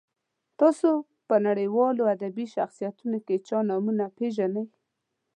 تاسو په نړیوالو ادبي شخصیتونو کې چا نومونه پیژنئ.